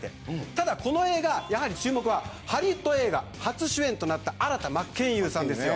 ただ、この映画注目はハリウッド映画初主演となった新田真剣佑さんですよ。